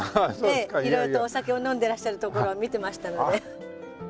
いろいろとお酒を飲んでらっしゃるところを見てましたので。